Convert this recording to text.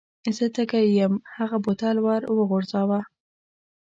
زه تږی یم هغه بوتل ور وغورځاوه.